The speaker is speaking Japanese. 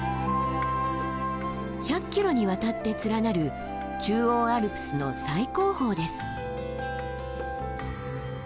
１００ｋｍにわたって連なる中央アルプスの最高峰です。